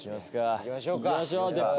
行きましょうか。